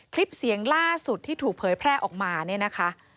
คลิปเสียงล่าสุดที่ถูกเผยแพร่ออกมาเนี่ยนะคะ